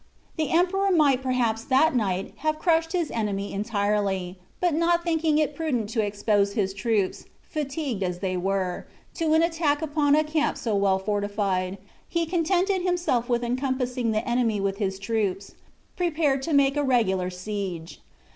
The Emperor might perhaps that night have crushed his enemy entirely; but not thinking it prudent to expose his troops, fatigued as they were, to an attack upon a camp so well fortified, he contented himself with encompassing the enemy with his troops, prepared to make a regular siege.